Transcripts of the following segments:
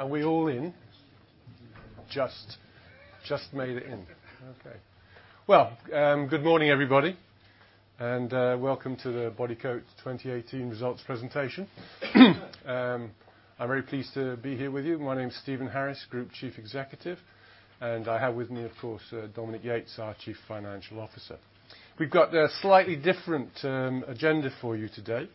Are we all in? Just, just made it in. Okay. Well, good morning, everybody, and welcome to the Bodycote 2018 Results presentation. I'm very pleased to be here with you. My name is Stephen Harris, Group Chief Executive, and I have with me, of course, Dominique Yates, our Chief Financial Officer. We've got a slightly different agenda for you today.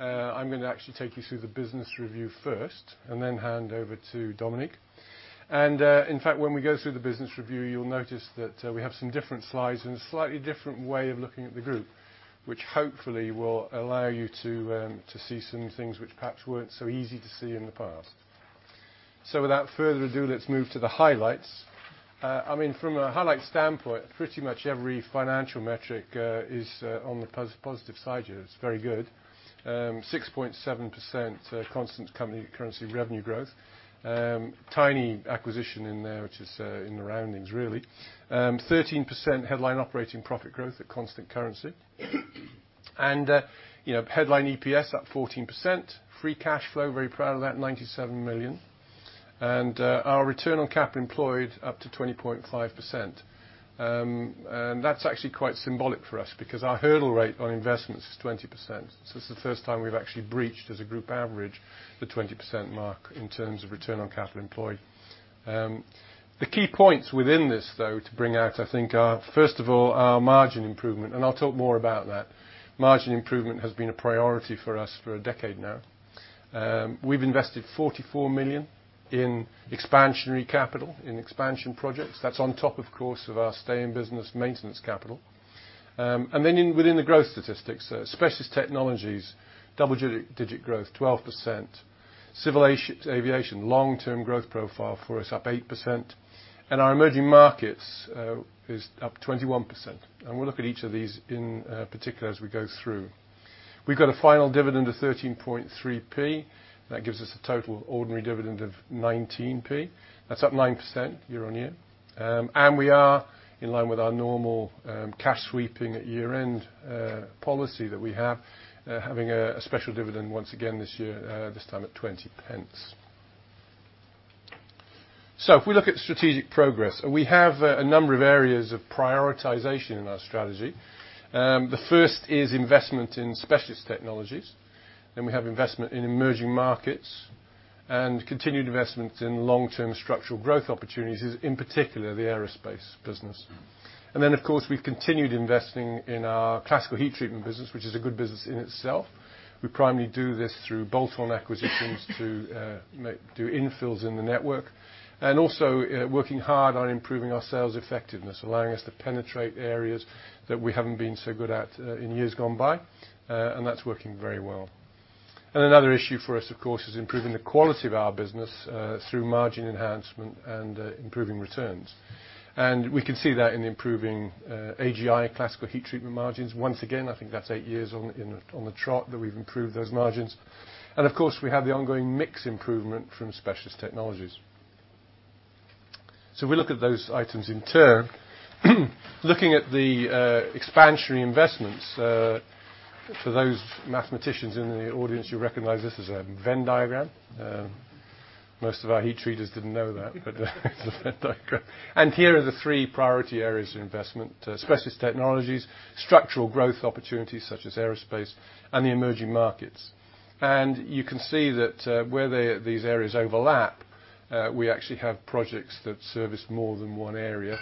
I'm gonna actually take you through the business review first, and then hand over to Dominique. And, in fact, when we go through the business review, you'll notice that we have some different slides and a slightly different way of looking at the group, which hopefully will allow you to, to see some things which perhaps weren't so easy to see in the past. So without further ado, let's move to the highlights. I mean, from a highlights standpoint, pretty much every financial metric is on the positive side here. It's very good. 6.7% constant company currency revenue growth. Tiny acquisition in there, which is in the roundings, really. 13% headline operating profit growth at constant currency. You know, headline EPS up 14%. Free cash flow, very proud of that, 97 million. Our return on capital employed up to 20.5%. That's actually quite symbolic for us because our hurdle rate on investments is 20%. So this is the first time we've actually breached, as a group average, the 20% mark in terms of return on capital employed. The key points within this, though, to bring out, I think, are, first of all, our margin improvement, and I'll talk more about that. Margin improvement has been a priority for us for a decade now. We've invested 44 million in expansionary capital, in expansion projects. That's on top, of course, of our stay-in-business maintenance capital. And then, within the growth statistics, specialist technologies, double-digit growth, 12%. Civil aviation, long-term growth profile for us, up 8%. And our emerging markets is up 21%. And we'll look at each of these in particular as we go through. We've got a final dividend of 13.3p, that gives us a total ordinary dividend of 19p. That's up 9% year-on-year. We are in line with our normal cash sweeping at year-end policy that we have, having a special dividend once again this year, this time at 0.20. If we look at strategic progress, and we have a number of areas of prioritization in our strategy. The first is investment in specialist technologies, then we have investment in emerging markets, and continued investment in long-term structural growth opportunities, in particular, the aerospace business. Then, of course, we've continued investing in our classical heat treatment business, which is a good business in itself. We primarily do this through bolt-on acquisitions, to make infills in the network, and also working hard on improving our sales effectiveness, allowing us to penetrate areas that we haven't been so good at in years gone by, and that's working very well. And another issue for us, of course, is improving the quality of our business through margin enhancement and improving returns. And we can see that in the improving AGI classical heat treatment margins. Once again, I think that's eight years on the trot that we've improved those margins. And of course, we have the ongoing mix improvement from specialist technologies. So we look at those items in turn. Looking at the expansionary investments for those mathematicians in the audience, you recognize this as a Venn diagram. Most of our heat treaters didn't know that, but it's a Venn diagram. Here are the three priority areas of investment: specialist technologies, structural growth opportunities such as aerospace, and the emerging markets. You can see that where these areas overlap, we actually have projects that service more than one area.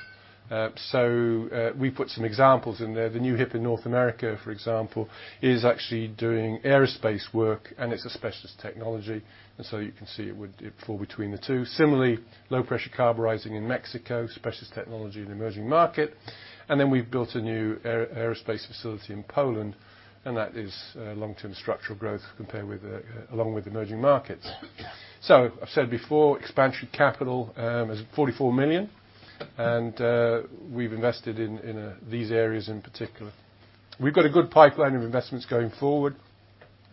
So, we put some examples in there. The new HIP in North America, for example, is actually doing aerospace work, and it's a specialist technology, and so you can see it would fall between the two. Similarly, Low Pressure Carburizing in Mexico, specialist technology in emerging market. Then we've built a new aerospace facility in Poland, and that is long-term structural growth, along with emerging markets. So I've said before, expansion capital is 44 million, and we've invested in these areas in particular. We've got a good pipeline of investments going forward.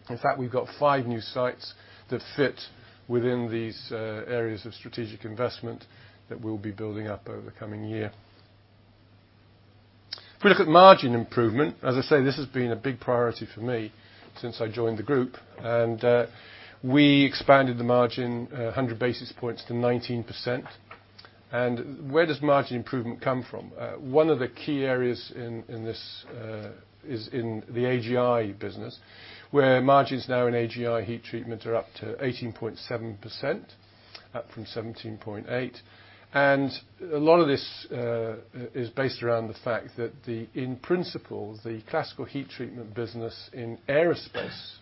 In fact, we've got five new sites that fit within these areas of strategic investment that we'll be building up over the coming year. If we look at margin improvement, as I say, this has been a big priority for me since I joined the group, and we expanded the margin 100 basis points to 19%. And where does margin improvement come from? One of the key areas in this is in the AGI business, where margins now in AGI heat treatment are up to 18.7%, up from 17.8%. A lot of this is based around the fact that the, in principle, the classical heat treatment business in aerospace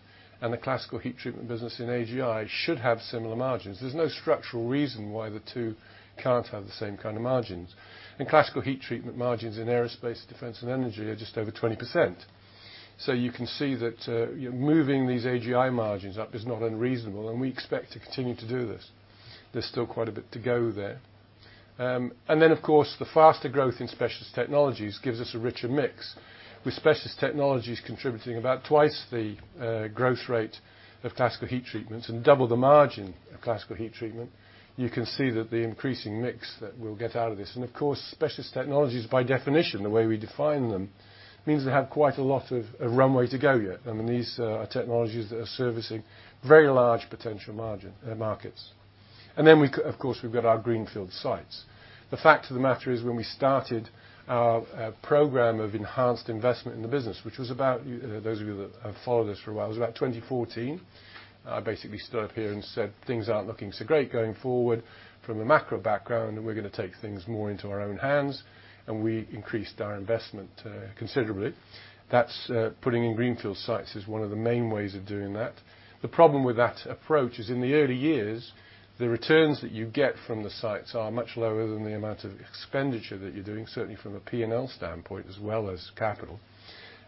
and the classical heat treatment business in AGI should have similar margins. There's no structural reason why the two can't have the same kind of margins. In classical heat treatment, margins in aerospace, defence, and energy are just over 20%. So you can see that moving these AGI margins up is not unreasonable, and we expect to continue to do this. There's still quite a bit to go there. And then, of course, the faster growth in specialist technologies gives us a richer mix, with specialist technologies contributing about twice the growth rate of classical heat treatments and double the margin of classical heat treatment. You can see that the increasing mix that we'll get out of this, and, of course, specialist technologies, by definition, the way we define them, means they have quite a lot of runway to go yet. I mean, these are technologies that are servicing very large potential margin markets. And then, of course, we've got our greenfield sites. The fact of the matter is, when we started our program of enhanced investment in the business, which was about, those of you that have followed us for a while, it was about 2014. I basically stood up here and said, "Things aren't looking so great going forward from a macro background, and we're gonna take things more into our own hands," and we increased our investment considerably. That's putting in greenfield sites is one of the main ways of doing that. The problem with that approach is, in the early years, the returns that you get from the sites are much lower than the amount of expenditure that you're doing, certainly from a P&L standpoint as well as capital.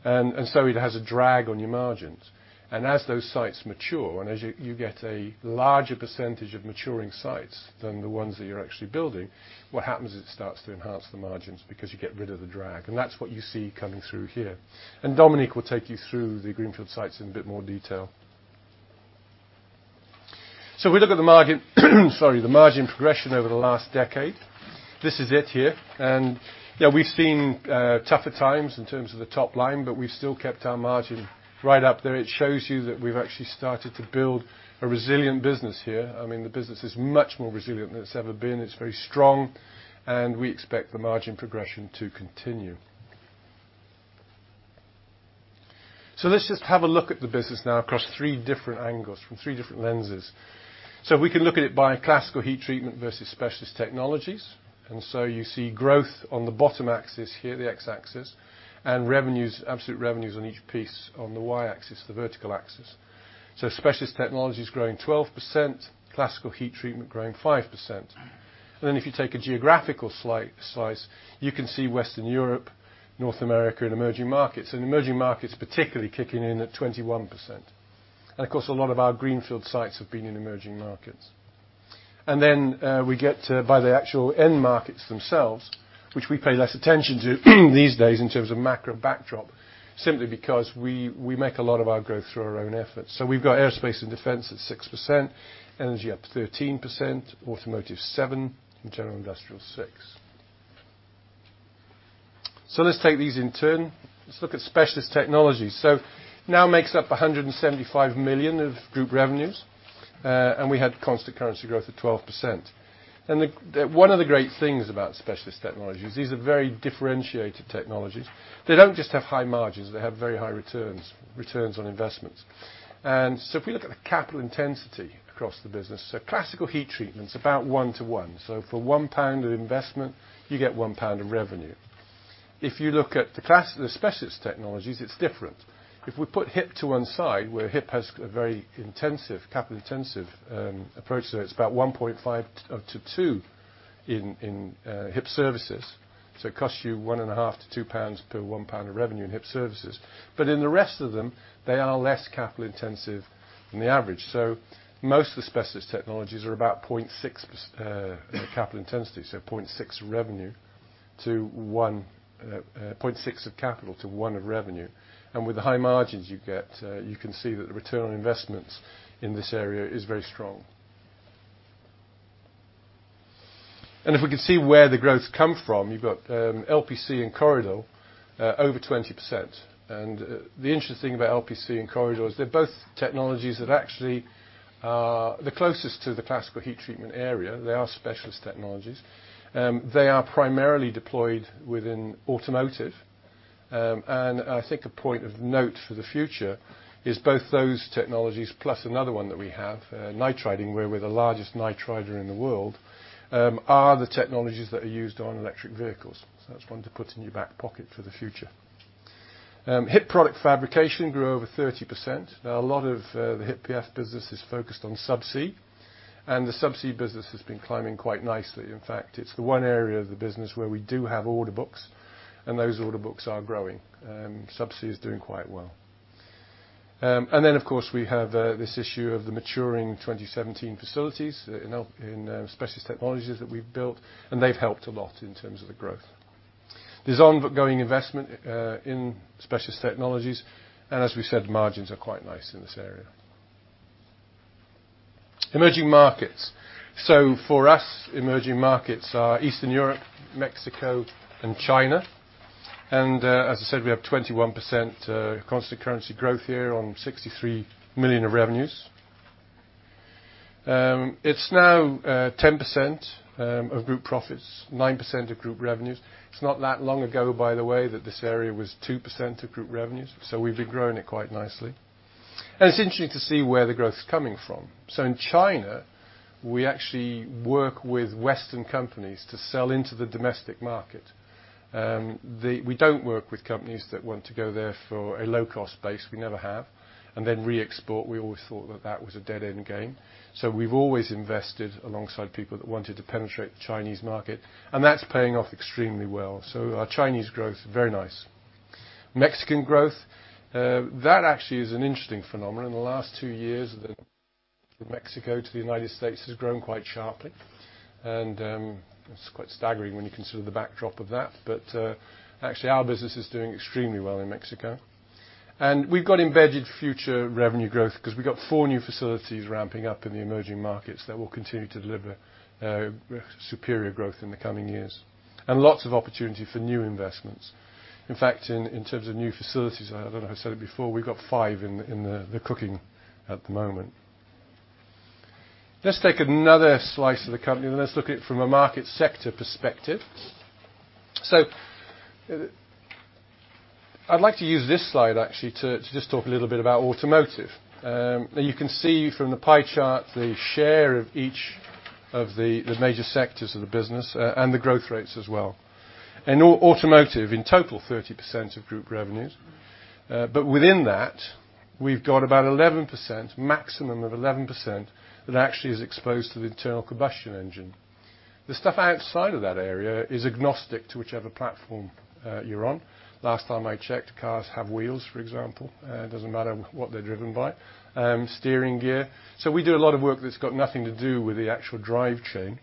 And so it has a drag on your margins. And as those sites mature, and as you get a larger percentage of maturing sites than the ones that you're actually building, what happens is it starts to enhance the margins because you get rid of the drag, and that's what you see coming through here. And Dominique will take you through the greenfield sites in a bit more detail. So we look at the margin, sorry, the margin progression over the last decade. This is it here. And, yeah, we've seen tougher times in terms of the top line, but we've still kept our margin right up there. It shows you that we've actually started to build a resilient business here. I mean, the business is much more resilient than it's ever been. It's very strong, and we expect the margin progression to continue. So let's just have a look at the business now across three different angles, from three different lenses. So we can look at it by classical heat treatment versus specialist technologies, and so you see growth on the bottom axis here, the X-axis, and revenues, absolute revenues on each piece on the Y-axis, the vertical axis. So specialist technologies growing 12%, classical heat treatment growing 5%. And then if you take a geographical slice, you can see Western Europe, North America, and emerging markets, and emerging markets, particularly kicking in at 21%. And, of course, a lot of our greenfield sites have been in emerging markets. And then, we get to, by the actual end markets themselves, which we pay less attention to these days in terms of macro backdrop, simply because we make a lot of our growth through our own efforts. So we've got aerospace and defence at 6%, energy up 13%, automotive 7, and general industrial 6. So let's take these in turn. Let's look at specialist technologies. So now makes up 175 million of group revenues, and we had constant currency growth of 12%. And the one of the great things about specialist technologies, these are very differentiated technologies. They don't just have high margins, they have very high returns on investments. And so if we look at the capital intensity across the business, so classical heat treatment is about 1 to 1, so for 1 pound of investment, you get 1 pound of revenue. If you look at the specialist technologies, it's different. If we put HIP to one side, where HIP has a very intensive, capital-intensive approach to it, it's about 1.5 to 2 in HIP Services. So it costs you 1.5-2 pounds per 1 pound of revenue in HIP Services. But in the rest of them, they are less capital intensive than the average. So most of the specialist technologies are about 0.6 capital intensity, so 0.6 revenue to 1 0.6 of capital to 1 of revenue. With the high margins you get, you can see that the return on investments in this area is very strong. If we can see where the growth come from, you've got LPC and Corr-I-Dur over 20%. The interesting about LPC and Corr-I-Dur is they're both technologies that actually are the closest to the classical heat treatment area. They are specialist technologies. They are primarily deployed within automotive. And I think a point of note for the future is both those technologies, plus another one that we have, nitriding, where we're the largest nitrider in the world, are the technologies that are used on electric vehicles. So that's one to put in your back pocket for the future. HIP Product Fabrication grew over 30%. Now, a lot of the HIP PF business is focused on subsea, and the subsea business has been climbing quite nicely. In fact, it's the one area of the business where we do have order books, and those order books are growing. Subsea is doing quite well. And then, of course, we have this issue of the maturing 2017 facilities in specialist technologies that we've built, and they've helped a lot in terms of the growth. There's ongoing investment in specialist technologies, and as we said, margins are quite nice in this area. Emerging markets. So for us, emerging markets are Eastern Europe, Mexico, and China. And as I said, we have 21% constant currency growth here on 63 million of revenues. It's now 10% of group profits, 9% of group revenues. It's not that long ago, by the way, that this area was 2% of group revenues, so we've been growing it quite nicely. And it's interesting to see where the growth is coming from. So in China, we actually work with Western companies to sell into the domestic market. We don't work with companies that want to go there for a low-cost base, we never have, and then re-export. We always thought that that was a dead-end game. So we've always invested alongside people that wanted to penetrate the Chinese market, and that's paying off extremely well. So our Chinese growth, very nice. Mexican growth, that actually is an interesting phenomenon. In the last two years, the Mexico to the United States has grown quite sharply, and it's quite staggering when you consider the backdrop of that. But, actually, our business is doing extremely well in Mexico. And we've got embedded future revenue growth, because we've got 4 new facilities ramping up in the emerging markets that will continue to deliver superior growth in the coming years, and lots of opportunity for new investments. In fact, in terms of new facilities, I don't know if I said it before, we've got 5 in the cooking at the moment. Let's take another slice of the company, and let's look at it from a market sector perspective. So I'd like to use this slide, actually, to just talk a little bit about automotive. You can see from the pie chart, the share of each of the major sectors of the business, and the growth rates as well. In automotive, in total, 30% of group revenues. But within that, we've got about 11%, maximum of 11%, that actually is exposed to the internal combustion engine. The stuff outside of that area is agnostic to whichever platform you're on. Last time I checked, cars have wheels, for example, it doesn't matter what they're driven by, steering gear. So we do a lot of work that's got nothing to do with the actual drivetrain.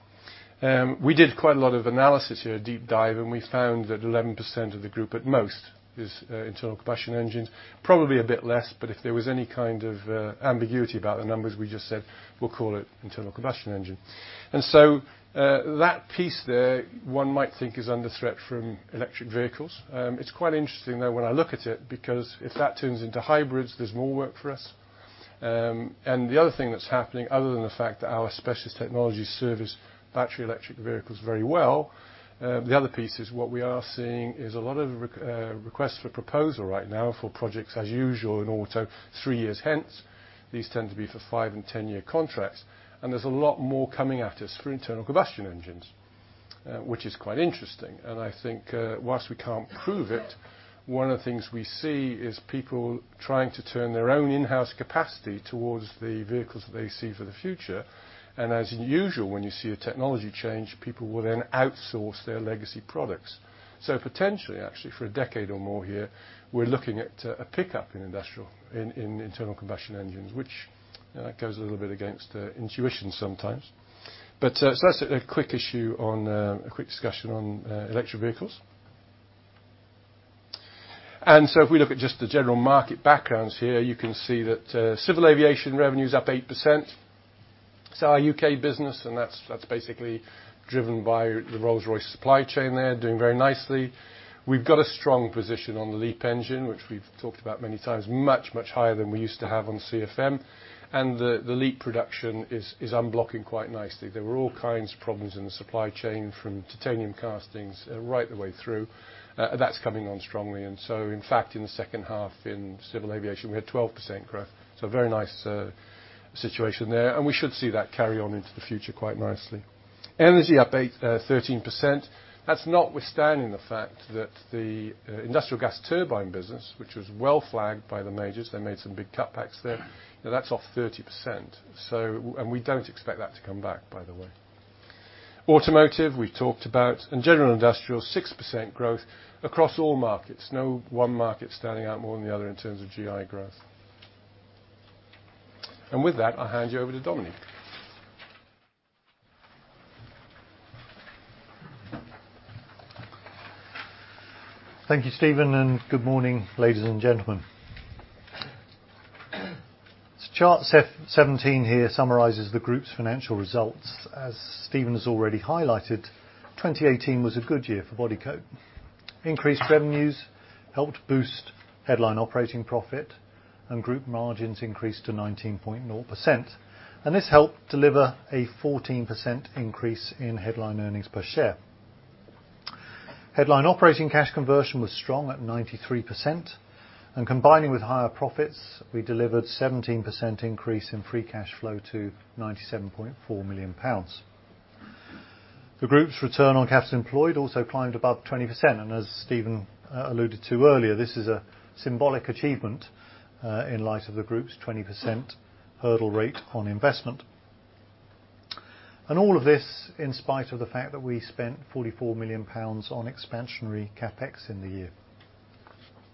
We did quite a lot of analysis here, a deep dive, and we found that 11% of the group at most is internal combustion engines, probably a bit less, but if there was any kind of ambiguity about the numbers, we just said, "We'll call it internal combustion engine." So that piece there, one might think, is under threat from electric vehicles. It's quite interesting, though, when I look at it, because if that turns into hybrids, there's more work for us. And the other thing that's happening, other than the fact that our specialist technologies service battery electric vehicles very well, the other piece is, what we are seeing is a lot of requests for proposal right now for projects as usual in auto, 3 years hence. These tend to be for 5- and 10-year contracts, and there's a lot more coming at us for internal combustion engines, which is quite interesting. And I think, whilst we can't prove it, one of the things we see is people trying to turn their own in-house capacity towards the vehicles that they see for the future. And as usual, when you see a technology change, people will then outsource their legacy products. So potentially, actually, for a decade or more here, we're looking at a pickup in industrial, in internal combustion engines, which goes a little bit against the intuition sometimes. But so that's a quick issue on—a quick discussion on electric vehicles. And so if we look at just the general market backgrounds here, you can see that civil aviation revenue is up 8%. It's our U.K. business, and that's basically driven by the Rolls-Royce supply chain there, doing very nicely. We've got a strong position on the LEAP engine, which we've talked about many times, much higher than we used to have on CFM, and the LEAP production is unblocking quite nicely. There were all kinds of problems in the supply chain, from titanium castings right the way through. That's coming on strongly, and so in fact, in the second half, in civil aviation, we had 12% growth. So a very nice situation there, and we should see that carry on into the future quite nicely. Energy up eight, thirteen percent. That's notwithstanding the fact that the industrial gas turbine business, which was well flagged by the majors, they made some big cutbacks there, now that's off 30%. So... And we don't expect that to come back, by the way. Automotive, we've talked about, and general industrial, 6% growth across all markets. No one market standing out more than the other in terms of GI growth. And with that, I'll hand you over to Dominique. Thank you, Stephen, and good morning, ladies and gentlemen. Chart seventeen here summarizes the group's financial results. As Stephen has already highlighted, 2018 was a good year for Bodycote. Increased revenues helped boost headline operating profit, and group margins increased to 19%, and this helped deliver a 14% increase in headline earnings per share. Headline operating cash conversion was strong at 93%, and combining with higher profits, we delivered 17% increase in free cash flow to 97.4 million pounds. The group's return on cash employed also climbed above 20%, and as Stephen alluded to earlier, this is a symbolic achievement in light of the group's 20% hurdle rate on investment. And all of this in spite of the fact that we spent 44 million pounds on expansionary CapEx in the year.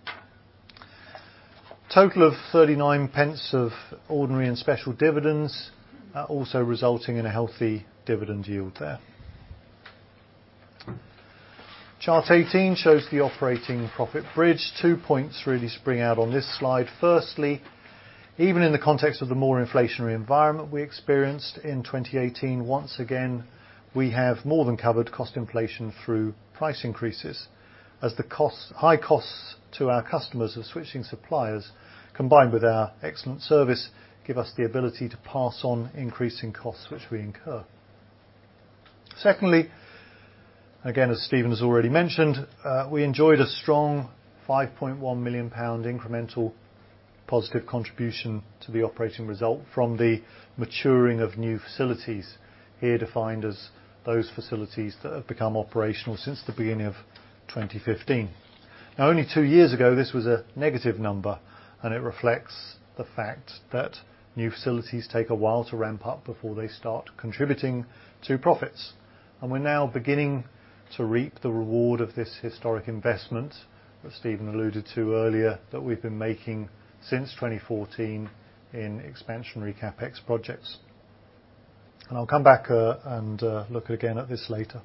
A total of 39 pence of ordinary and special dividends, also resulting in a healthy dividend yield there. Chart 18 shows the operating profit bridge. Two points really spring out on this slide. Firstly, even in the context of the more inflationary environment we experienced in 2018, once again, we have more than covered cost inflation through price increases, as the costs, high costs to our customers of switching suppliers, combined with our excellent service, give us the ability to pass on increasing costs which we incur. Secondly, again, as Stephen has already mentioned, we enjoyed a strong 5.1 million pound incremental positive contribution to the operating result from the maturing of new facilities, here defined as those facilities that have become operational since the beginning of 2015. Now, only two years ago, this was a negative number, and it reflects the fact that new facilities take a while to ramp up before they start contributing to profits. And we're now beginning to reap the reward of this historic investment that Stephen alluded to earlier that we've been making since 2014 in Expansionary CapEx projects. And I'll come back and look again at this later.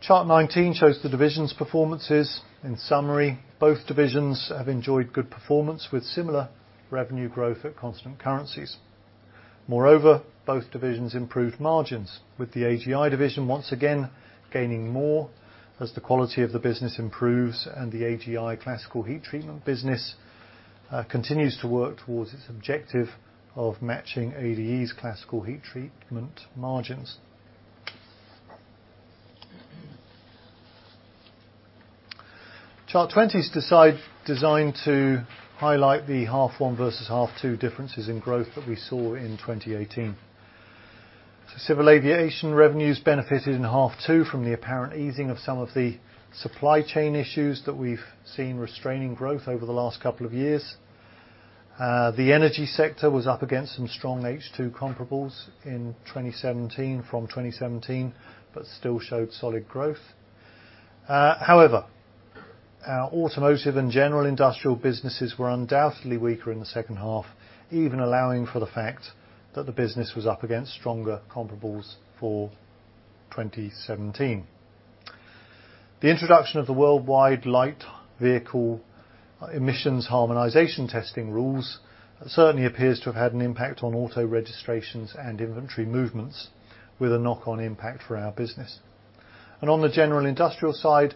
Chart 19 shows the divisions' performances. In summary, both divisions have enjoyed good performance with similar revenue growth at constant currencies. Moreover, both divisions improved margins, with the AGI division once again gaining more as the quality of the business improves and the AGI classical heat treatment business continues to work towards its objective of matching ADE's classical heat treatment margins. Chart 20 is designed to highlight the H1 versus H2 differences in growth that we saw in 2018. So civil aviation revenues benefited in H2 from the apparent easing of some of the supply chain issues that we've seen restraining growth over the last couple of years. The energy sector was up against some strong H2 comparables in 2017, but still showed solid growth. However, our automotive and general industrial businesses were undoubtedly weaker in the second half, even allowing for the fact that the business was up against stronger comparables for 2017. The introduction of the Worldwide Light Vehicle Emissions Harmonization testing rules certainly appears to have had an impact on auto registrations and inventory movements, with a knock on impact for our business. On the general industrial side,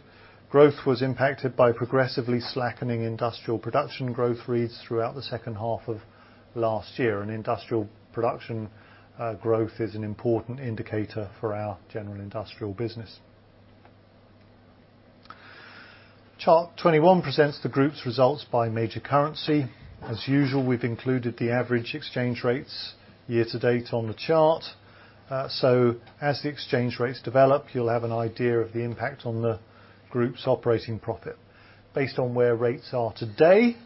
growth was impacted by progressively slackening industrial production growth rates throughout the second half of last year, and industrial production growth is an important indicator for our general industrial business. Chart 21 presents the group's results by major currency. As usual, we've included the average exchange rates year to date on the chart. So as the exchange rates develop, you'll have an idea of the impact on the group's operating profit. Based on where rates are today,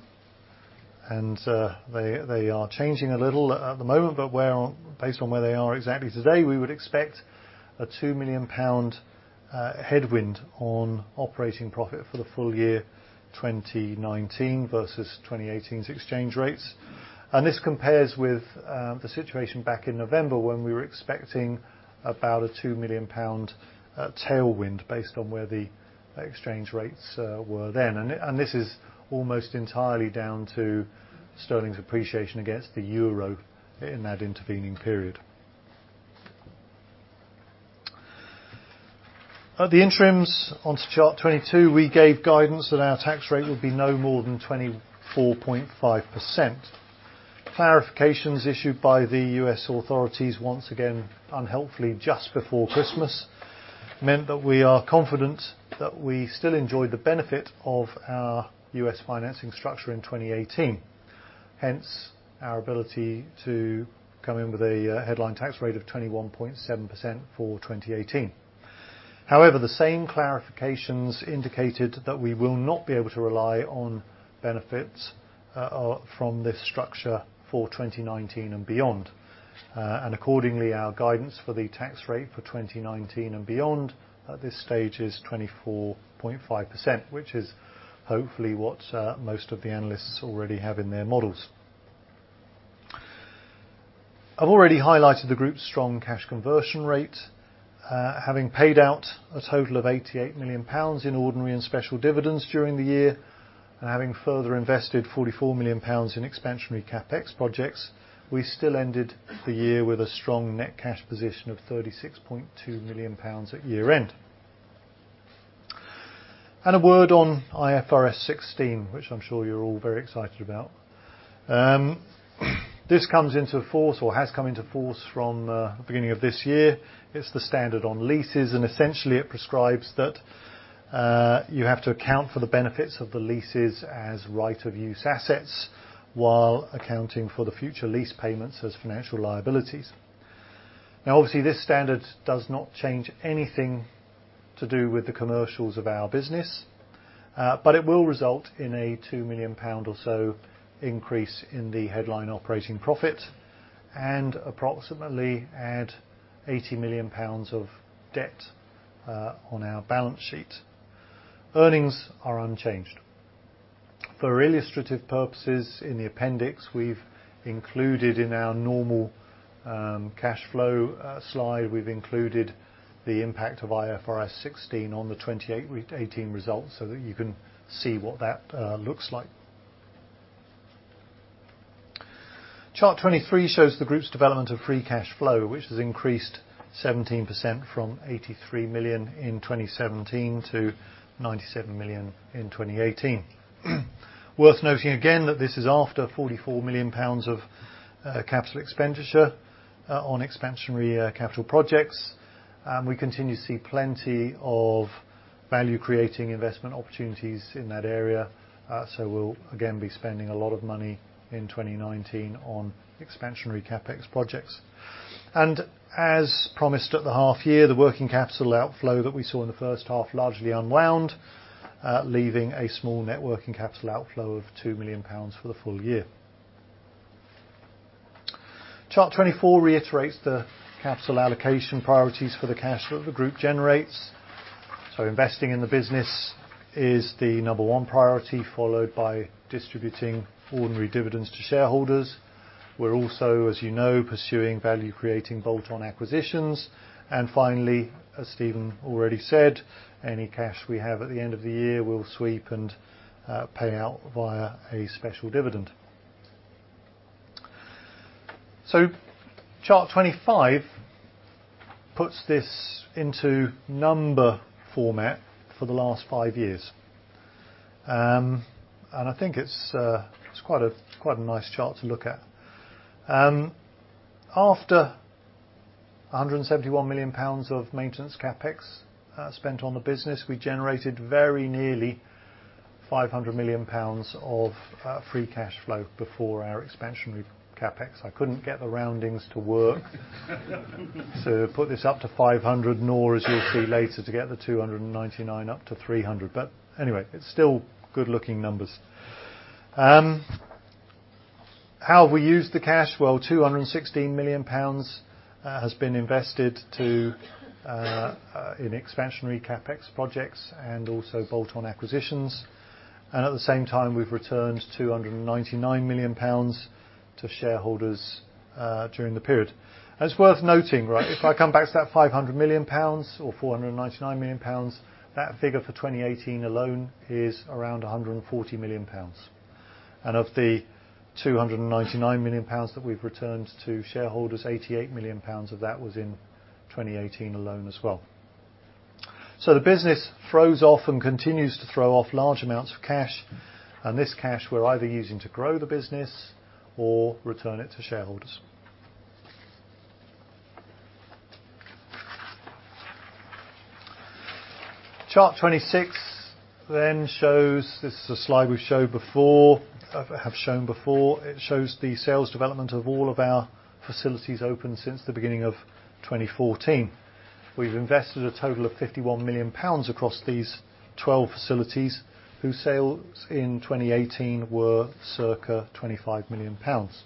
and they are changing a little at the moment, but where based on where they are exactly today, we would expect a 2 million pound headwind on operating profit for the full year 2019 versus 2018's exchange rates. And this compares with the situation back in November, when we were expecting about a 2 million pound tailwind based on where the exchange rates were then. And this is almost entirely down to sterling's appreciation against the euro in that intervening period. At the interims, on to chart 22, we gave guidance that our tax rate would be no more than 24.5%. Clarifications issued by the U.S. authorities, once again, unhelpfully, just before Christmas, meant that we are confident that we still enjoyed the benefit of our U.S. financing structure in 2018, hence our ability to come in with a headline tax rate of 21.7% for 2018. However, the same clarifications indicated that we will not be able to rely on benefits from this structure for 2019 and beyond. Accordingly, our guidance for the tax rate for 2019 and beyond, at this stage, is 24.5%, which is hopefully what most of the analysts already have in their models. I've already highlighted the group's strong cash conversion rate. Having paid out a total of 88 million pounds in ordinary and special dividends during the year, and having further invested 44 million pounds in expansionary CapEx projects, we still ended the year with a strong net cash position of 36.2 million pounds at year-end. A word on IFRS 16, which I'm sure you're all very excited about. This comes into force or has come into force from the beginning of this year. It's the standard on leases, and essentially, it prescribes that you have to account for the benefits of the leases as right-of-use assets, while accounting for the future lease payments as financial liabilities. Now, obviously, this standard does not change anything to do with the commercials of our business, but it will result in a 2 million pound or so increase in the headline operating profit, and approximately add 80 million pounds of debt on our balance sheet. Earnings are unchanged. For illustrative purposes, in the appendix, we've included in our normal cash flow slide, we've included the impact of IFRS 16 on the 2018 results, so that you can see what that looks like. Chart 23 shows the group's development of free cash flow, which has increased 17% from 83 million in 2017 to 97 million in 2018. Worth noting again, that this is after 44 million pounds of capital expenditure on expansionary capital projects. We continue to see plenty of value-creating investment opportunities in that area, so we'll again be spending a lot of money in 2019 on expansionary CapEx projects. As promised at the half year, the working capital outflow that we saw in the first half largely unwound, leaving a small net working capital outflow of 2 million pounds for the full year. Chart 24 reiterates the capital allocation priorities for the cash flow the group generates. Investing in the business is the number one priority, followed by distributing ordinary dividends to shareholders. We're also, as you know, pursuing value-creating bolt-on acquisitions. Finally, as Stephen already said, any cash we have at the end of the year, we'll sweep and pay out via a special dividend. Chart 25 puts this into number format for the last five years. I think it's quite a nice chart to look at. After 171 million pounds of maintenance CapEx spent on the business, we generated very nearly 500 million pounds of free cash flow before our expansionary CapEx. I couldn't get the roundings to work so put this up to 500, nor, as you'll see later, to get the 299 up to 300. But anyway, it's still good-looking numbers. How have we used the cash? Well, 216 million pounds has been invested to in expansionary CapEx projects and also bolt-on acquisitions. And at the same time, we've returned 299 million pounds to shareholders during the period. And it's worth noting, right, if I come back to that 500 million pounds or 499 million pounds, that figure for 2018 alone is around 140 million pounds. And of the 299 million pounds that we've returned to shareholders, 88 million pounds of that was in 2018 alone as well. So the business throws off and continues to throw off large amounts of cash, and this cash we're either using to grow the business or return it to shareholders. Chart 26 then shows. This is a slide we've showed before, have shown before. It shows the sales development of all of our facilities open since the beginning of 2014. We've invested a total of 51 million pounds across these 12 facilities, whose sales in 2018 were circa 25 million pounds.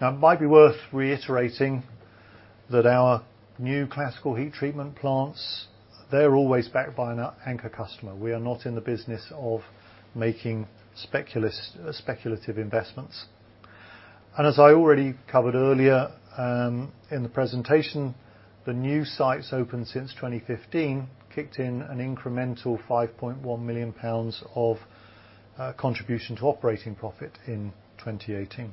Now, it might be worth reiterating that our new classical heat treatment plants, they're always backed by an anchor customer. We are not in the business of making speculative investments. And as I already covered earlier, in the presentation, the new sites opened since 2015, kicked in an incremental 5.1 million pounds of, contribution to operating profit in 2018.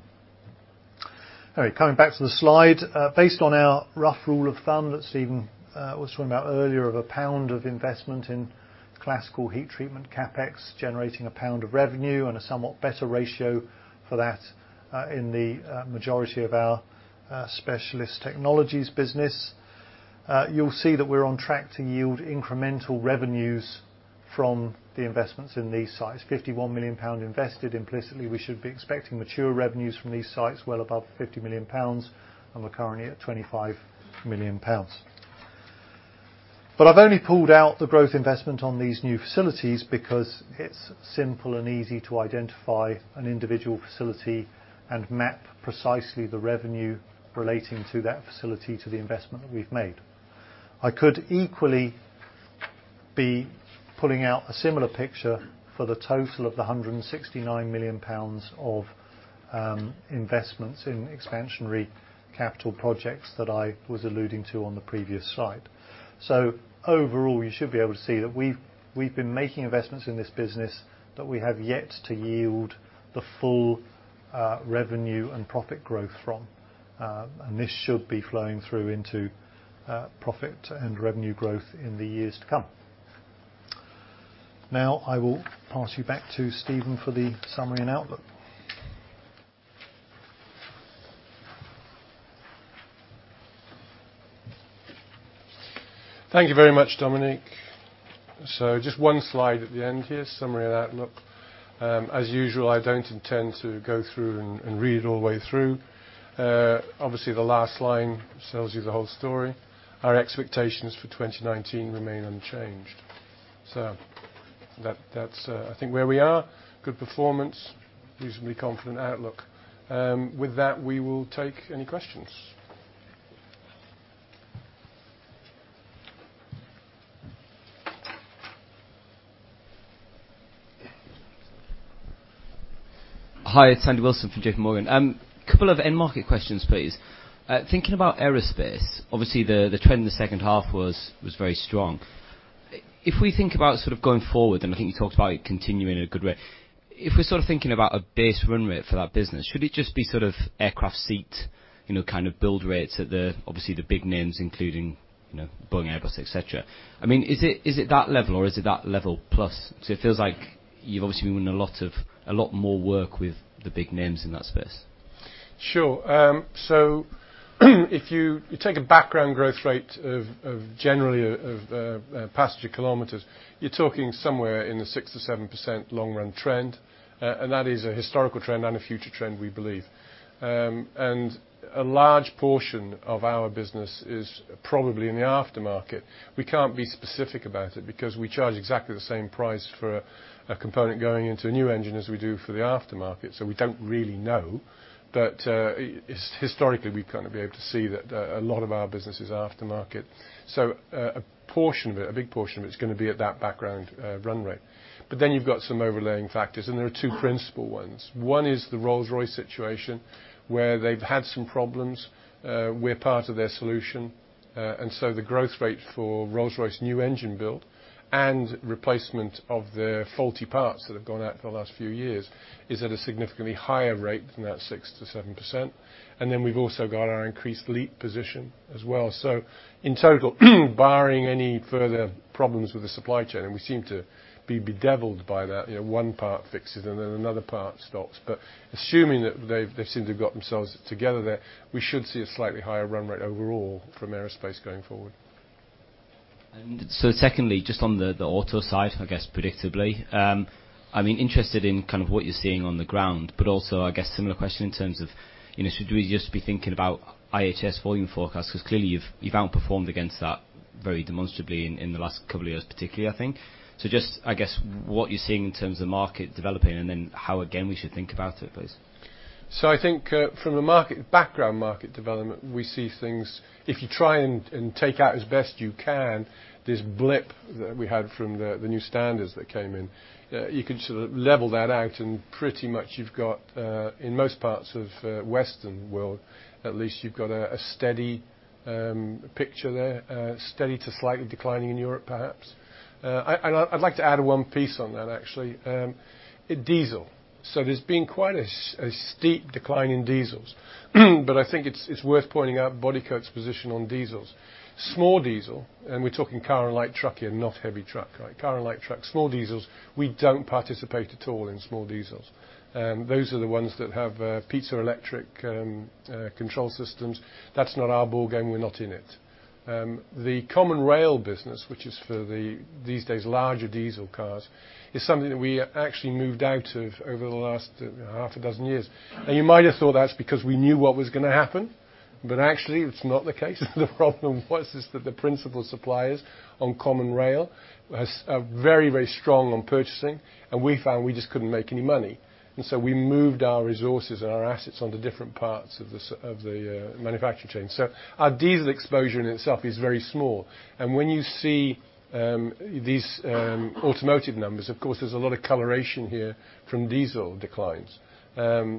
All right, coming back to the slide. Based on our rough rule of thumb, that Stephen was talking about earlier, of a pound of investment in classical heat treatment CapEx, generating a pound of revenue, and a somewhat better ratio for that in the majority of our specialist technologies business, you'll see that we're on track to yield incremental revenues from the investments in these sites. 51 million pound invested, implicitly, we should be expecting mature revenues from these sites well above 50 million pounds, and we're currently at 25 million pounds. But I've only pulled out the growth investment on these new facilities because it's simple and easy to identify an individual facility and map precisely the revenue relating to that facility to the investment that we've made. I could equally be pulling out a similar picture for the total of 169 million pounds of investments in expansionary capital projects that I was alluding to on the previous slide. So overall, you should be able to see that we've, we've been making investments in this business that we have yet to yield the full revenue and profit growth from, and this should be flowing through into profit and revenue growth in the years to come. Now, I will pass you back to Stephen for the summary and outlook. Thank you very much, Dominique. So just one slide at the end here, summary and outlook. As usual, I don't intend to go through and read it all the way through. Obviously, the last line tells you the whole story. Our expectations for 2019 remain unchanged. So that, that's, I think, where we are. Good performance, reasonably confident outlook. With that, we will take any questions. Hi, it's Andy Wilson from J.P. Morgan. Couple of end market questions, please. Thinking about aerospace, obviously, the trend in the second half was very strong. If we think about sort of going forward, and I think you talked about it continuing at a good rate, if we're sort of thinking about a base run rate for that business, should it just be sort of aircraft build rates?... you know, kind of build rates at the, obviously, the big names, including, you know, Boeing, Airbus, et cetera. I mean, is it that level, or is it that level plus? So it feels like you've obviously won a lot more work with the big names in that space. Sure. So if you take a background growth rate of generally passenger kilometers, you're talking somewhere in the 6%-7% long run trend. And that is a historical trend and a future trend, we believe. And a large portion of our business is probably in the aftermarket. We can't be specific about it because we charge exactly the same price for a component going into a new engine as we do for the aftermarket, so we don't really know. But historically, we've kind of been able to see that a lot of our business is aftermarket. So a portion of it, a big portion of it, is gonna be at that background run rate. But then you've got some overlaying factors, and there are two principal ones. One is the Rolls-Royce situation, where they've had some problems. We're part of their solution. And so the growth rate for Rolls-Royce new engine build and replacement of the faulty parts that have gone out for the last few years is at a significantly higher rate than that 6%-7%. And then we've also got our increased LEAP position as well. So in total, barring any further problems with the supply chain, and we seem to be bedeviled by that, you know, one part fixes and then another part stops. But assuming that they've, they seem to have got themselves together there, we should see a slightly higher run rate overall from aerospace going forward. And so secondly, just on the auto side, I guess, predictably, I mean, interested in kind of what you're seeing on the ground, but also, I guess, similar question in terms of, you know, should we just be thinking about IHS volume forecast? Because clearly, you've outperformed against that very demonstrably in the last couple of years, particularly, I think. So just, I guess, what you're seeing in terms of market developing and then how, again, we should think about it, please. So I think, from a market, background market development, we see things... If you try and take out as best you can, this blip that we had from the new standards that came in, you can sort of level that out, and pretty much you've got in most parts of Western world, at least you've got a steady picture there, steady to slightly declining in Europe, perhaps. And I, I'd like to add one piece on that, actually. Diesel. So there's been quite a steep decline in diesels. But I think it's worth pointing out Bodycote's position on diesels. Small diesel, and we're talking car and light truck here, not heavy truck, right? Car and light truck, small diesels, we don't participate at all in small diesels. Those are the ones that have piezoelectric control systems. That's not our ballgame, we're not in it. The Common Rail business, which is for the, these days, larger diesel cars, is something that we actually moved out of over the last 6 years. You might have thought that's because we knew what was gonna happen, but actually, it's not the case. The problem was that the principal suppliers on Common Rail are very, very strong on purchasing, and we found we just couldn't make any money. So we moved our resources and our assets onto different parts of the manufacturing chain. Our diesel exposure in itself is very small. When you see these automotive numbers, of course, there's a lot of correlation here from diesel declines.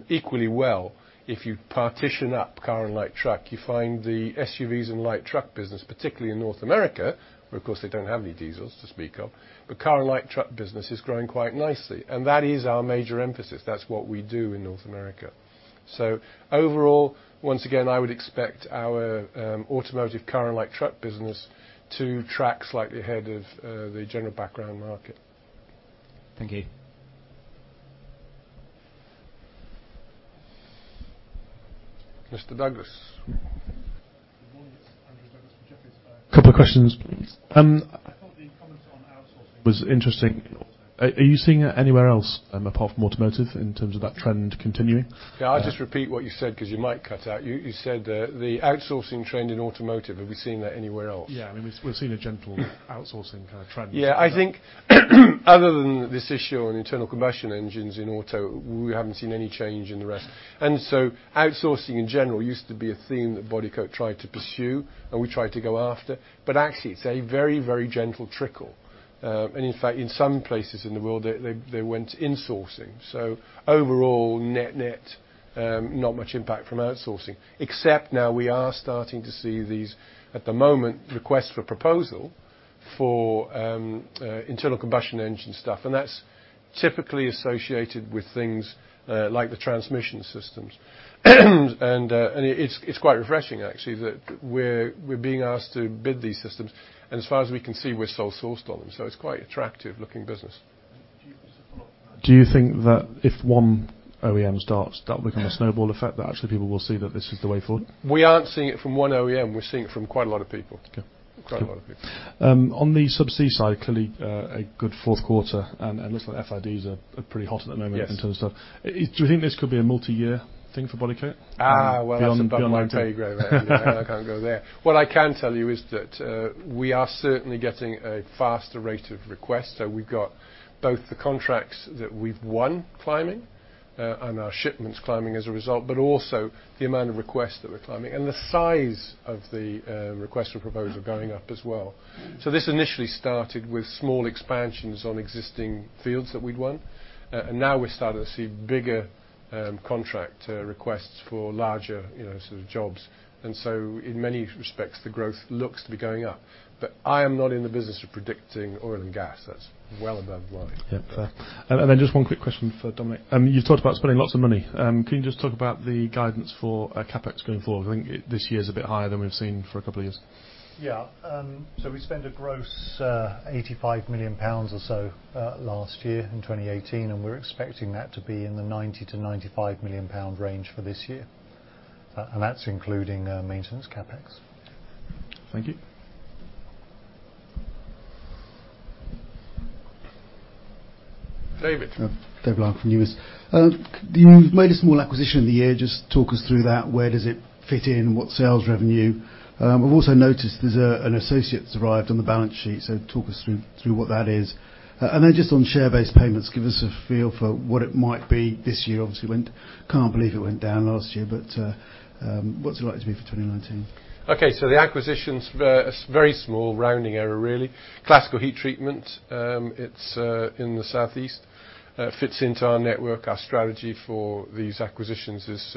Equally well, if you partition up car and light truck, you find the SUVs and light truck business, particularly in North America, where, of course, they don't have any diesels to speak of, but car and light truck business is growing quite nicely, and that is our major emphasis. That's what we do in North America. So overall, once again, I would expect our automotive car and light truck business to track slightly ahead of the general background market. Thank you. Mr. Douglas. Good morning. Andrew Douglas from Jefferies. A couple of questions, please. I thought the comment on outsourcing-... was interesting. Are you seeing it anywhere else, apart from automotive, in terms of that trend continuing? Yeah, I'll just repeat what you said because you might cut out. You said the outsourcing trend in automotive, have we seen that anywhere else? Yeah, I mean, we've seen a gentle outsourcing kind of trend. Yeah, I think, other than this issue on internal combustion engines in auto, we haven't seen any change in the rest. And so outsourcing in general used to be a theme that Bodycote tried to pursue, and we tried to go after, but actually, it's a very, very gentle trickle. And in fact, in some places in the world, they went insourcing. So overall, net-net, not much impact from outsourcing, except now we are starting to see these, at the moment, requests for proposal for internal combustion engine stuff, and that's typically associated with things like the transmission systems. And it's quite refreshing actually, that we're being asked to bid these systems, and as far as we can see, we're sole sourced on them, so it's quite attractive looking business. Do you think that if one OEM starts, that will become a snowball effect, that actually people will see that this is the way forward? We aren't seeing it from one OEM, we're seeing it from quite a lot of people. Okay. Quite a lot of people. On the Subsea side, clearly, a good fourth quarter, and looks like FIDs are pretty hot at the moment- Yes... in terms of stuff. Do you think this could be a multi-year thing for Bodycote? Ah, well- Beyond my pay grade.... that's above my pay grade. I can't go there. What I can tell you is that we are certainly getting a faster rate of requests. So we've got both the contracts that we've won climbing, and our shipments climbing as a result, but also the amount of requests that are climbing, and the size of the request for proposal going up as well. So this initially started with small expansions on existing fields that we'd won. And now we're starting to see bigger contract requests for larger, you know, sort of jobs. And so in many respects, the growth looks to be going up. But I am not in the business of predicting oil and gas. That's well above the line. Yep. And then just one quick question for Dominique. You've talked about spending lots of money. Can you just talk about the guidance for CapEx going forward? I think this year is a bit higher than we've seen for a couple of years. Yeah. So we spent a gross 85 million pounds or so last year in 2018, and we're expecting that to be in the 90 million-95 million pound range for this year. And that's including maintenance CapEx? Thank you. David? David Larkam from Numis. You made a small acquisition in the year. Just talk us through that. Where does it fit in? What sales revenue? I've also noticed there's a, an associates derived on the balance sheet, so talk us through what that is. And then just on share-based payments, give us a feel for what it might be this year. Obviously, went—can't believe it went down last year, but, what's it likely to be for 2019? Okay, so the acquisitions were a very small rounding error, really. Classical heat treatment, it's in the southeast. Fits into our network. Our strategy for these acquisitions is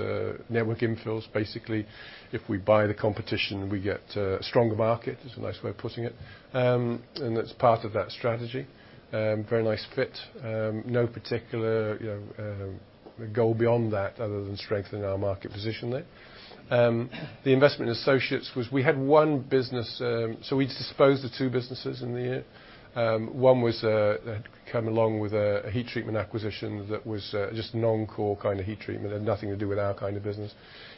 network infills. Basically, if we buy the competition, we get a stronger market. It's a nice way of putting it. And that's part of that strategy. Very nice fit. No particular, you know, goal beyond that, other than strengthening our market position there. The investment associates was we had one business. So we disposed the two businesses in the year. One was had come along with a heat treatment acquisition that was just non-core kind of heat treatment, had nothing to do with our kind of business.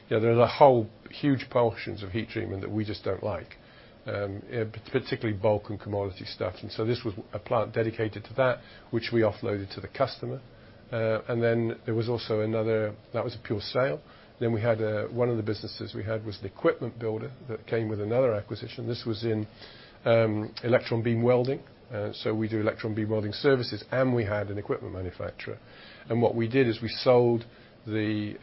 You know, there are whole huge portions of heat treatment that we just don't like, particularly bulk and commodity stuff. And so this was a plant dedicated to that, which we offloaded to the customer. And then there was also another that was a pure sale. Then we had one of the businesses we had was an equipment builder that came with another acquisition. This was in Electron Beam Welding. So we do Electron Beam Welding services, and we had an equipment manufacturer. And what we did is we sold the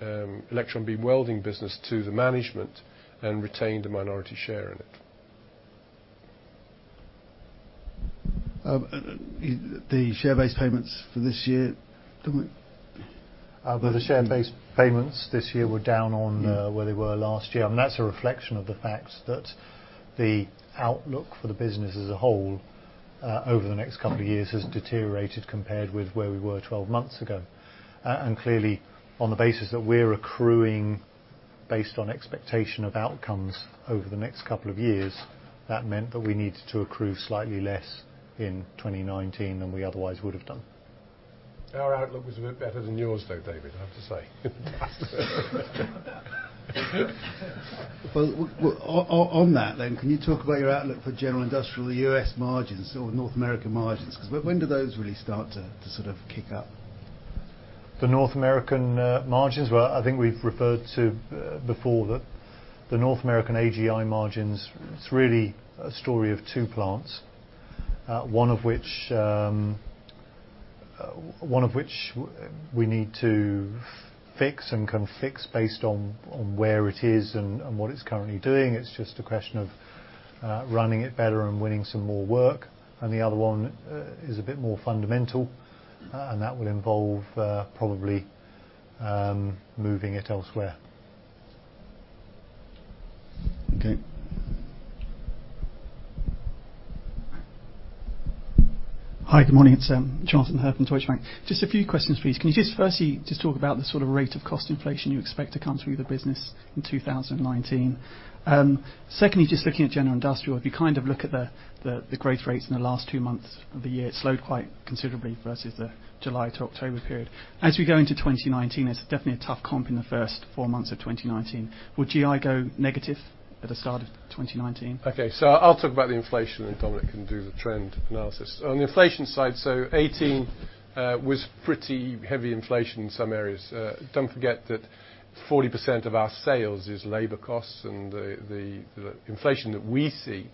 Electron Beam Welding business to the management and retained a minority share in it. The share-based payments for this year, don't we? Well, the share-based payments this year were down on- Yeah... where they were last year. And that's a reflection of the fact that the outlook for the business as a whole, over the next couple of years has deteriorated compared with where we were 12 months ago. And clearly, on the basis that we're accruing, based on expectation of outcomes over the next couple of years, that meant that we needed to accrue slightly less in 2019 than we otherwise would have done. Our outlook was a bit better than yours, though, David, I have to say. Well, on that then, can you talk about your outlook for general industrial, the U.S. margins or North American margins? Because when do those really start to sort of kick up? The North American margins, well, I think we've referred to before that the North American AGI margins. It's really a story of two plants, one of which we need to fix and can fix based on where it is and what it's currently doing. It's just a question of running it better and winning some more work. And the other one is a bit more fundamental, and that will involve probably moving it elsewhere. Okay. Hi, good morning. It's Jonathan Hurn from Deutsche Bank. Just a few questions, please. Can you just firstly, just talk about the sort of rate of cost inflation you expect to come through the business in 2019? Secondly, just looking at general industrial, if you kind of look at the, the, the growth rates in the last two months of the year, it slowed quite considerably versus the July to October period. As we go into 2019, it's definitely a tough comp in the first four months of 2019. Will GI go negative at the start of 2019? Okay, so I'll talk about the inflation, and Dominique can do the trend analysis. On the inflation side, so 2018 was pretty heavy inflation in some areas. Don't forget that 40% of our sales is labor costs, and the inflation that we see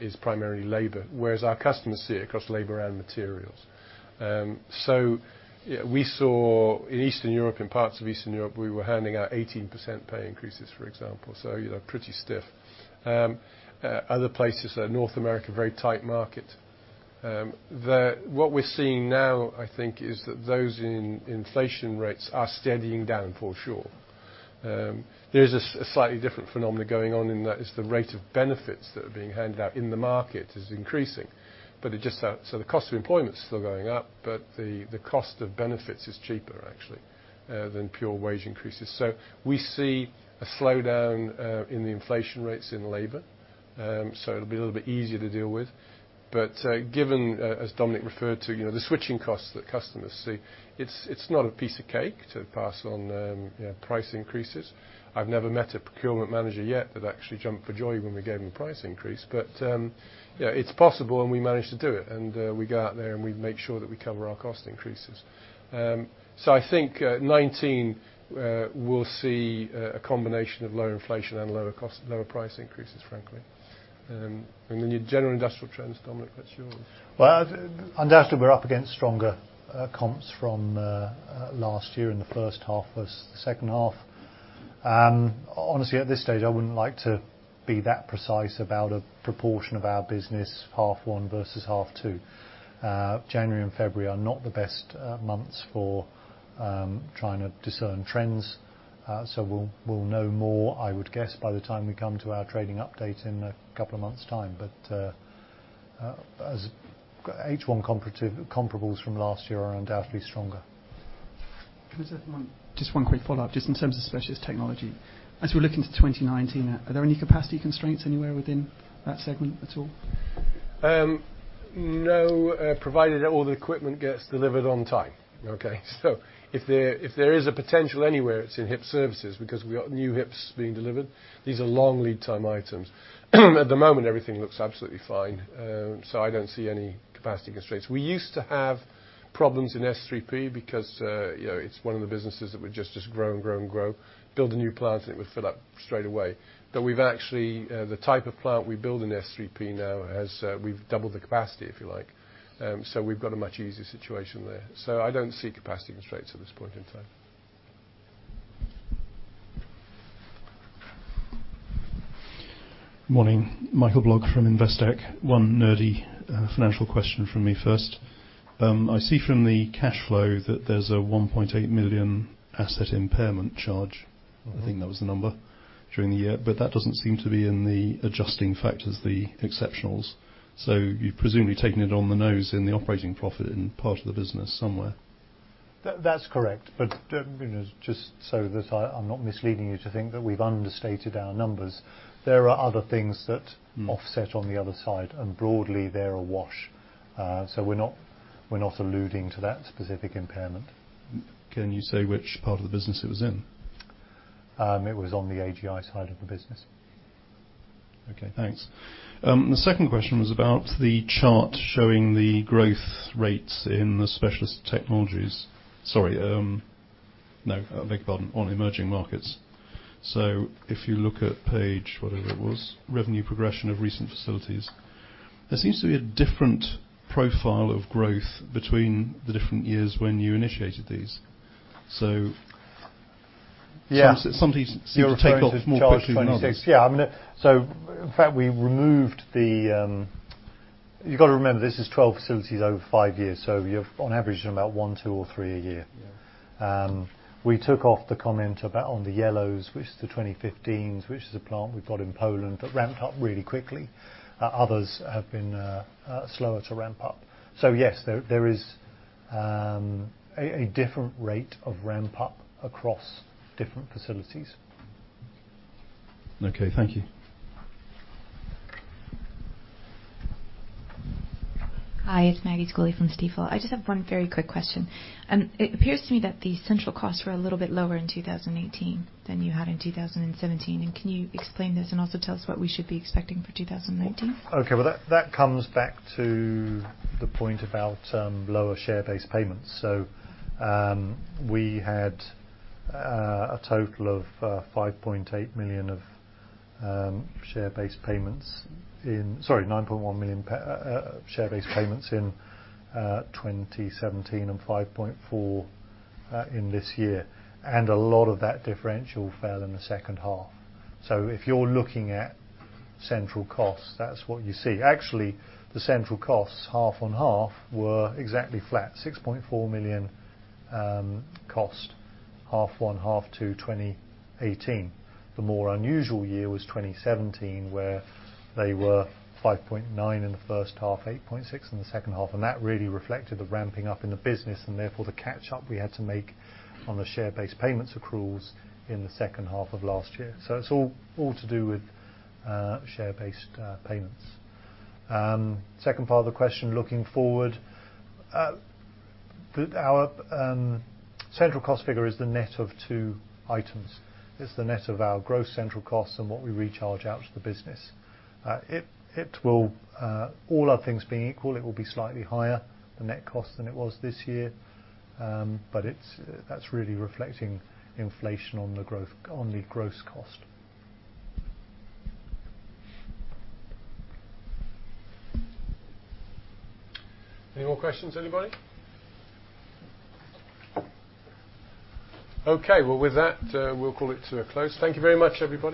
is primarily labor, whereas our customers see it across labor and materials. So, we saw in Eastern Europe, in parts of Eastern Europe, we were handing out 18% pay increases, for example, so, you know, pretty stiff. Other places, North America, very tight market. What we're seeing now, I think, is that those inflation rates are steadying down, for sure. There's a slightly different phenomena going on, and that is the rate of benefits that are being handed out in the market is increasing, but it just... So the cost of employment is still going up, but the cost of benefits is cheaper, actually, than pure wage increases. So we see a slowdown in the inflation rates in labor, so it'll be a little bit easier to deal with. But given, as Dominique referred to, you know, the switching costs that customers see, it's not a piece of cake to pass on, you know, price increases. I've never met a procurement manager yet that actually jumped for joy when we gave him a price increase, but yeah, it's possible, and we managed to do it, and we go out there, and we make sure that we cover our cost increases. So I think 2019 we'll see a combination of lower inflation and lower cost, lower price increases, frankly. And then your general industrial trends, Dominique, what's your... Well, undoubtedly, we're up against stronger, comps from, last year in the first half versus the second half. Honestly, at this stage, I wouldn't like to be that precise about a proportion of our business, half one versus half two. January and February are not the best, months for, trying to discern trends, so we'll, we'll know more, I would guess, by the time we come to our trading update in a couple of months' time. But, as H1 comparative--comparables from last year are undoubtedly stronger. Can I say one, just one quick follow-up, just in terms of specialist technology. As we look into 2019, are there any capacity constraints anywhere within that segment at all?... No, provided that all the equipment gets delivered on time, okay? So if there, if there is a potential anywhere, it's in HIP Services, because we've got new HIPs being delivered. These are long lead time items. At the moment, everything looks absolutely fine, so I don't see any capacity constraints. We used to have problems in S3P because, you know, it's one of the businesses that would just, just grow and grow and grow. Build a new plant, and it would fill up straight away. But we've actually, the type of plant we build in S3P now has... We've doubled the capacity, if you like. So we've got a much easier situation there. So I don't see capacity constraints at this point in time. Morning. Michael Blogg from Investec. One nerdy, financial question from me first. I see from the cash flow that there's a 1.8 million asset impairment charge- Mm-hmm. I think that was the number, during the year, but that doesn't seem to be in the adjusting factors, the exceptionals. So you've presumably taken it on the nose in the operating profit in part of the business somewhere. That, that's correct, but the, you know, just so that I, I'm not misleading you to think that we've understated our numbers, there are other things that- Mm.... offset on the other side, and broadly, they're a wash. So we're not, we're not alluding to that specific impairment. Can you say which part of the business it was in? It was on the AGI side of the business. Okay, thanks. The second question was about the chart showing the growth rates in the specialist technologies. Sorry, no, I beg your pardon, on emerging markets. So if you look at page... whatever it was, revenue progression of recent facilities. There seems to be a different profile of growth between the different years when you initiated these. So- Yeah. Some of these seem to take off more quickly than others. Yeah. I mean, so in fact, we removed the... You've got to remember, this is 12 facilities over 5 years, so you've on average done about 1, 2 or 3 a year. Yeah. We took off the comment about on the yellows, which is the 2015, which is a plant we've got in Poland, that ramped up really quickly. Others have been slower to ramp up. So yes, there is a different rate of ramp up across different facilities. Okay. Thank you. Hi, it's Maggie Scully from Stifel. I just have one very quick question. It appears to me that the central costs were a little bit lower in 2018 than you had in 2017. And can you explain this and also tell us what we should be expecting for 2019? Okay. Well, that comes back to the point about lower share-based payments. So, we had a total of... Sorry, 9.1 million share-based payments in 2017, and 5.4 million in this year, and a lot of that differential fell in the second half. So if you're looking at central costs, that's what you see. Actually, the central costs, half on half, were exactly flat. 6.4 million cost, half one, half two, 2018. The more unusual year was 2017, where they were 5.9 in the first half, 8.6 in the second half, and that really reflected the ramping up in the business and therefore the catch-up we had to make on the share-based payments accruals in the second half of last year. So it's all, all to do with, share-based, payments. Second part of the question, looking forward. The, our, central cost figure is the net of two items. It's the net of our gross central costs and what we recharge out to the business. It, it will, all other things being equal, it will be slightly higher, the net cost, than it was this year. But it's-- that's really reflecting inflation on the growth, on the gross cost. Any more questions, anybody? Okay, well, with that, we'll call it to a close. Thank you very much, everybody.